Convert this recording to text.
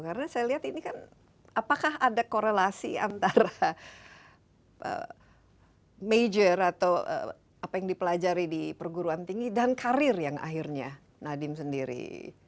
karena saya lihat ini kan apakah ada korelasi antara major atau apa yang dipelajari di perguruan tinggi dan karir yang akhirnya nadiem sendiri ikutin